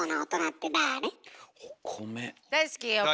大好きお米。